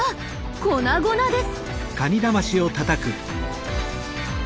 粉々です。